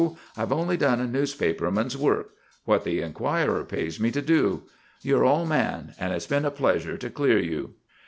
I've only done a newspaperman's work; what the Enquirer pays me to do. You're all man; and it's been a pleasure to clear you."